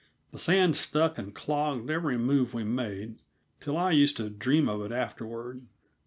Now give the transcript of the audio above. The sand stuck and clogged every move we made till I used to dream of it afterward.